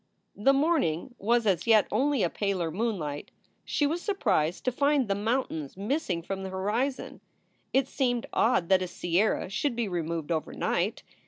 The morning was as yet only a paler moonlight. She was surprised to find the mountains missing from the horizon. It seemed odd that a sierra should be removed overnight.